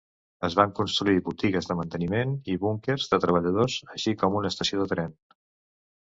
Es van construir botigues de manteniment i búnquers de treballadors, així com una estació de tren.